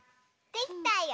できたよ。